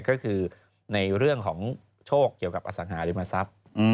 ก็คือในเรื่องของโชคเกี่ยวกับอสังหาริมทรัพย์